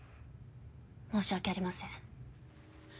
申し訳ありません。